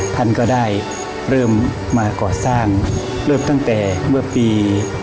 ท่านก็ได้เริ่มมาก่อสร้างเริ่มตั้งแต่เมื่อปี